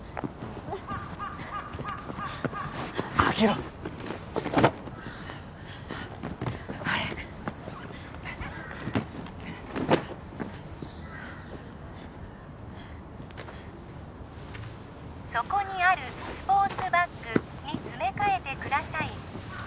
開けろ早くそこにあるスポーツバッグに詰め替えてください